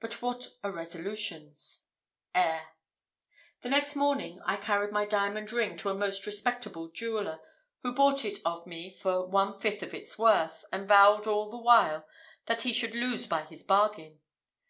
But what are resolutions? Air. The next morning I carried my diamond ring to a most respectable jeweller, who bought it of me for one fifth of its worth, and vowed all the while that he should lose by his bargain.